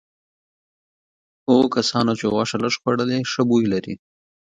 هغو کسانو چې غوښه لږه خوړلي ښه بوی لري.